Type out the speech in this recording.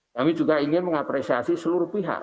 kami juga ingin mengapresiasi seluruh pihak